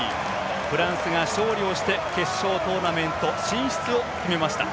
フランスが勝利して決勝トーナメント進出を決めました。